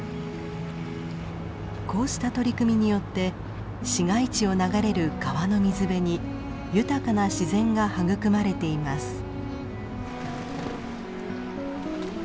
こうした取り組みによって市街地を流れる川の水辺に豊かな自然が育まれています。